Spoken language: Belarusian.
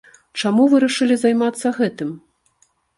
Чаму вырашылі займацца гэтым?